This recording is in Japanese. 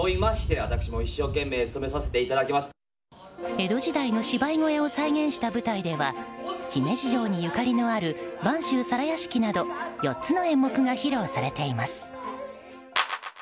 江戸時代の芝居小屋を再現した舞台では姫路城にゆかりのある「播州皿屋敷」など４つの演目が披露されています。